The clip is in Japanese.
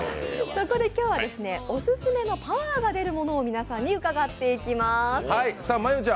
そこで今日は、オススメのパワーが出るものを皆さんに伺っていきます。